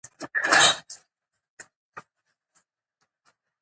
ډاکټره هیله لري.